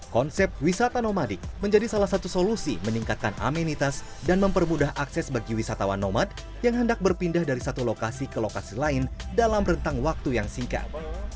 konsep wisata nomadik menjadi salah satu solusi meningkatkan amenitas dan mempermudah akses bagi wisatawan nomad yang hendak berpindah dari satu lokasi ke lokasi lain dalam rentang waktu yang singkat